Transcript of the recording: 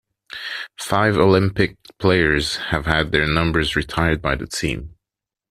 Five Olympiques players have had their numbers retired by the team.